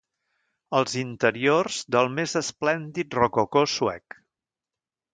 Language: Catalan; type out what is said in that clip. Els interiors del més esplèndid rococó suec.